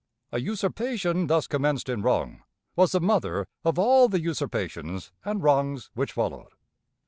A usurpation thus commenced in wrong was the mother of all the usurpations and wrongs which followed.